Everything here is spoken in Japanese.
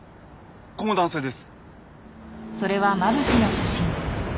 この男性です。